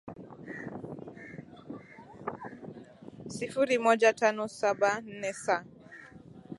sifuri moja tano saba nne sa